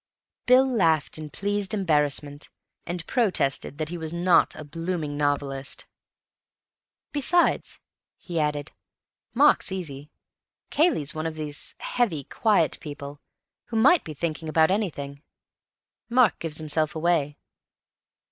Bill laughed in pleased embarrassment, and protested that he was not a blooming novelist. "Besides," he added, "Mark's easy. Cayley's one of these heavy, quiet people, who might be thinking about anything. Mark gives himself away....